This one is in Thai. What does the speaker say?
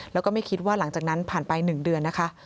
แล้วก็ไม่คิดว่าหลังจากนั้นผ่านไป๑เดือนนะคะ